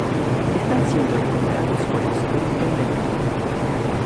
Están siendo recuperados por el Superintendente.